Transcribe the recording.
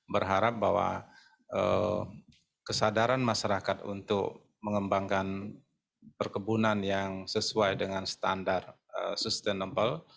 berharap bahwa kesadaran masyarakat untuk mengembangkan perkebunan yang sesuai dengan standar sustainable